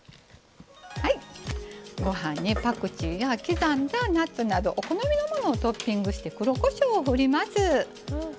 ご飯にパクチーや刻んだナッツなどお好みのものをトッピングして黒こしょうを振ります。